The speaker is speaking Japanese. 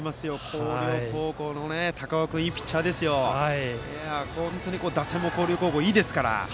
広陵高校の高尾君もいいピッチャーで本当に打線も広陵高校いいですから。